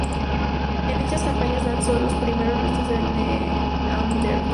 En dichas campañas localizó los primeros restos de neandertal.